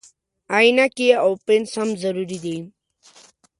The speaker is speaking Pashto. عینکې او پنس هم ضروري دي.